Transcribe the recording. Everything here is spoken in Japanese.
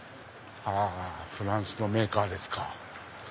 フランスのメーカーですか。